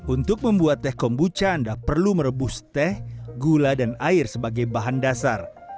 untuk membuat teh kombucha anda perlu merebus teh gula dan air sebagai bahan dasar